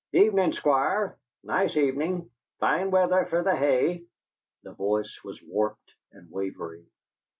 "Evenin', Squire; nice evenin'. Faine weather fur th' hay!" The voice was warped and wavery. '.